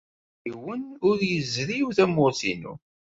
Ula d yiwen ur yezriw tamurt-inu.